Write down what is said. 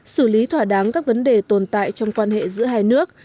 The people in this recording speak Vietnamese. xử lý thỏa đáng các vấn đề tồn tại trong quan hệ giữa hai nước